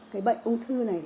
cái bệnh ông thư này